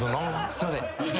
すいません。